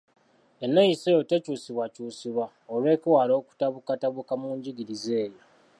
Enneeyisa eyo tekyusibwakyusibwa olw’okwewala okutabukatabuka mu njigiriiza eyo.